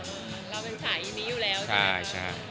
เราเป็นสายนี้อยู่แล้ว